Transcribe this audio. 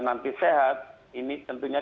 nanti sehat ini tentunya